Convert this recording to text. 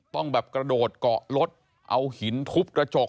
ต้องแบบกระโดดเกาะรถเอาหินทุบกระจก